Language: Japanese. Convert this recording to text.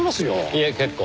いえ結構。